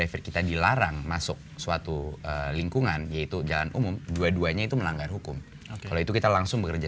untuk suatu lingkungan yaitu jalan umum dua duanya itu melanggar hukum kalau itu kita langsung bekerja